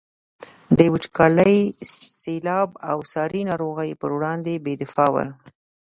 د وچکالي، سیلاب او ساري ناروغیو پر وړاندې بې دفاع ول.